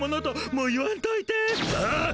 もう言わんといて。